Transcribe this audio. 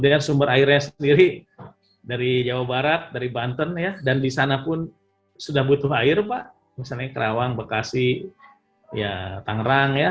dengan sumber airnya sendiri dari jawa barat dari banten ya dan di sana pun sudah butuh air pak misalnya kerawang bekasi tangerang ya